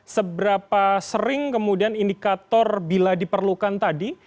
seberapa sering kemudian indikator bila diperlukan tadi